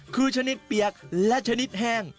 คือชนิดเปียกและชนิดแห้ง